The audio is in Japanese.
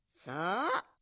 そう。